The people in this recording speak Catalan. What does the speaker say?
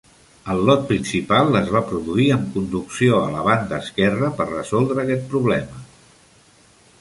El lot principal es va produir amb conducció a la banda esquerra per resoldre aquest problema.